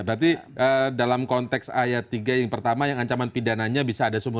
berarti dalam konteks ayat tiga yang pertama yang ancaman pindahan nya bisa ada seumur